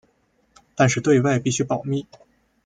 但是对外必须保密。